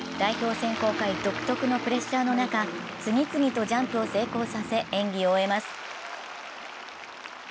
選考会独特のプレッシャーの中、次々とジャンプを成功させ、演技を終えます。